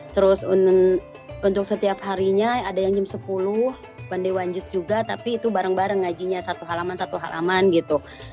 terus untuk setiap harinya ada yang jam sepuluh one day one jus juga tapi itu bareng bareng ngajinya satu halaman satu halaman gitu